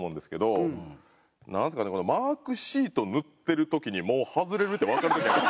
なんですかねマークシート塗ってる時にもう外れるってわかる時ある。